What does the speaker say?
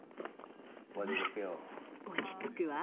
落ち着くわ。